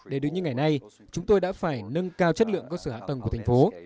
để đứng như ngày nay chúng tôi đã phải nâng cao chất lượng cơ sở hạ tầng của thành phố